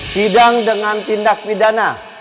tidang dengan tindak pidana